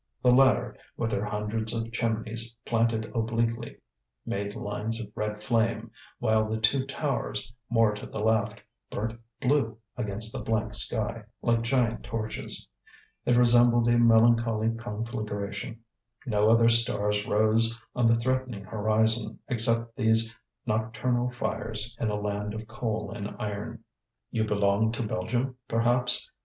The latter, with their hundreds of chimneys, planted obliquely, made lines of red flame; while the two towers, more to the left, burnt blue against the blank sky, like giant torches. It resembled a melancholy conflagration. No other stars rose on the threatening horizon except these nocturnal fires in a land of coal and iron. "You belong to Belgium, perhaps?"